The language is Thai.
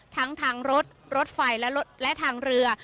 ทั้งทางรถรถไฟและทางเรือ